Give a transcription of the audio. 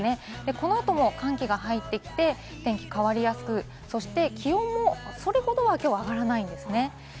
そのあとも寒気が入ってきて、天気が変わりやすく、気温もそれほどは上がらないですね。